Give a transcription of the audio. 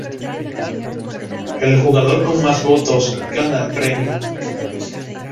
El jugador con más votos gana el premio.